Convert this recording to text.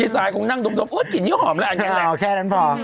พี่ซายคงนั่งดมอุ๊ยจิ้นนี่หอมแล้วแค่นั้นพอ